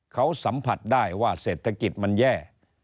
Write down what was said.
เขาสัมผัสได้ว่าเศรษฐกิจมันแย่